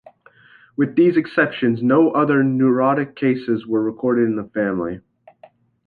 With these exceptions, no other neurotic cases were recorded in the family.